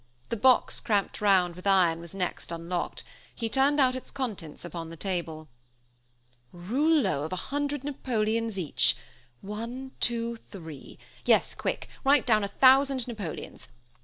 The box cramped round with iron was next unlocked. He turned out its contents upon the table. "Rouleaux of a hundred Napoleons each. One, two, three. Yes, quick. Write down a thousand Napoleons.